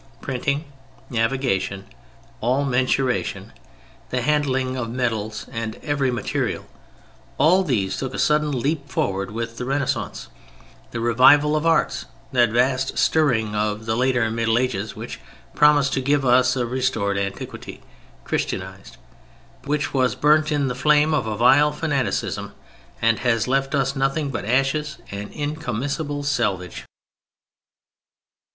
Printing; navigation; all mensuration; the handling of metals and every material—all these took a sudden leap forward with the Renaissance, the revival of arts: that vast stirring of the later Middle Ages which promised to give us a restored antiquity Christianized: which was burnt in the flame of a vile fanaticism, and has left us nothing but ashes and incommiscible salvage.